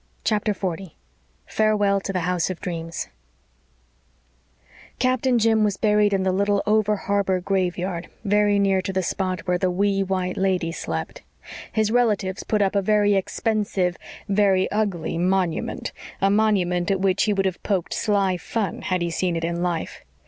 CHAPTER 40 FAREWELL TO THE HOUSE OF DREAMS Captain Jim was buried in the little over harbor graveyard, very near to the spot where the wee white lady slept. His relatives put up a very expensive, very ugly "monument" a monument at which he would have poked sly fun had he seen it in life.